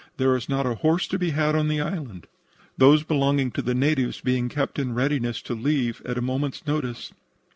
There is not a horse to be had on the island, those belonging to the natives being kept in readiness to leave at a moment's notice.